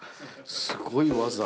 すごい技。